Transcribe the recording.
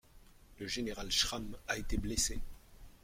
Le général Schramm a été blessé.